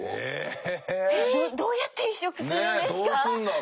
どうやって移植するんですか！？